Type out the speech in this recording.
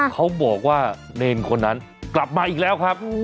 เขาบอกว่าเนรคนนั้นกลับมาอีกแล้วครับ